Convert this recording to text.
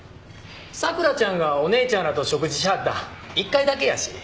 桜ちゃんがお姉ちゃんらと食事しはったん１回だけやし。